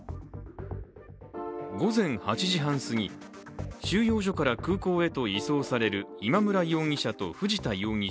午前８時半すぎ、収容所から空港へと移送される今村容疑者と藤田容疑者。